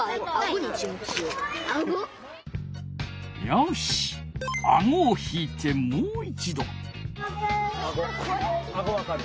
よしあごを引いてもう一度。